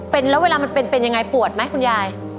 เป็นแล้วเวลามันเป็นเป็นยังไงปวดไหมคุณยาย